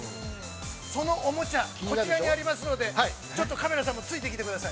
そのおもちゃ、こちらにありますので、ちょっとカメラさんもついてきてください。